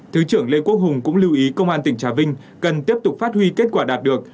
thứ trưởng lê quốc hùng cũng lưu ý công an tỉnh trà vinh cần tiếp tục phát huy kết quả đạt được